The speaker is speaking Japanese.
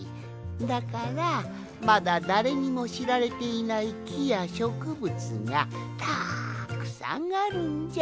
だからまだだれにもしられていないきやしょくぶつがたっくさんあるんじゃ。